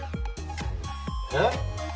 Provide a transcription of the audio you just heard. えっ？